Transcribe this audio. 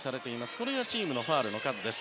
これがチームのファウルの数です。